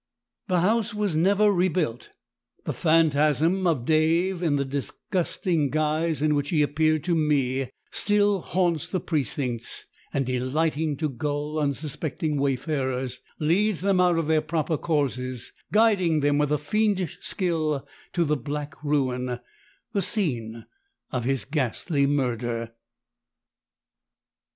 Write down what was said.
"The house was never rebuilt; the phantasm of Dave, in the disgusting guise in which he appeared to me, still haunts the precincts, and, delighting to gull unsuspecting wayfarers, leads them out of their proper courses, guiding them with a fiendish skill to the black ruin the scene of his ghastly murder."